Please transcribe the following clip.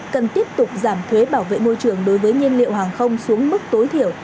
cần tiếp tục giảm thuế bảo vệ môi trường đối với nhiên liệu hàng không xuống mức tối thiểu